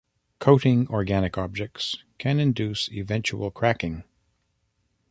Coating organic objects can induce eventual cracking.